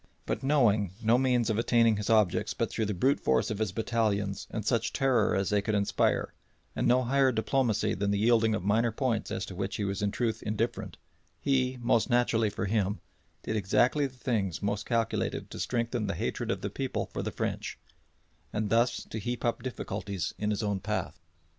But knowing no means of attaining his objects but through the brute force of his battalions and such terror as they could inspire, and no higher diplomacy than the yielding of minor points as to which he was in truth indifferent, he, most naturally for him, did exactly the things most calculated to strengthen the hatred of the people for the French, and thus to heap up difficulties in his own path.